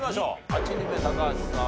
８人目高橋さん